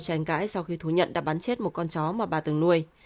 tranh cãi sau khi thú nhận đã bắn chết một con chó mà bà từng nuôi